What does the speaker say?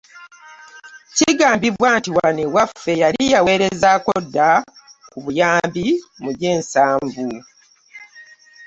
Kigambibwa nti wano ewaffe yali yaweerezaako dda ku buyambi mu gy'ensanvu.